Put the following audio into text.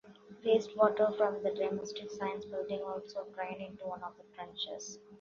Waste water from the Domestic Science building also drained into one of the trenches.